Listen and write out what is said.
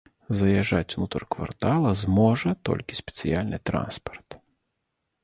Заязджаць унутр квартала зможа толькі спецыяльны транспарт.